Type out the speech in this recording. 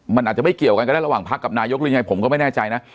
มันอาจจะไม่เกี่ยวกันก็ได้ระหว่างพักกับนายกหรือยังไงผมก็ไม่แน่ใจนะ